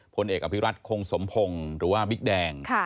พลเอกอภิรัตคงสมพงศ์หรือว่าบิ๊กแดง